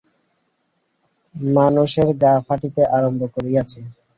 মানুষের গা ফাটিতে আরম্ভ করিয়াছে।